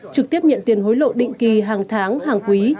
trực tiếp nhận tiền hối lộ định kỳ hàng tháng hàng quý